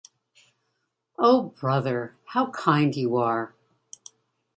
Oh, brother, how kind you are!